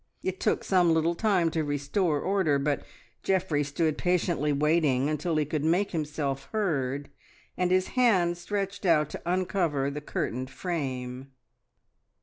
It took some little time to restore order, but Geoffrey stood patiently waiting until he could make himself heard, his hand stretched out to uncover the curtained frame.